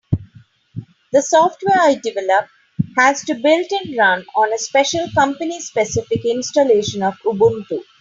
The software I develop has to build and run on a special company-specific installation of Ubuntu.